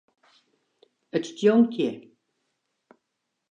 It stjonkt hjir.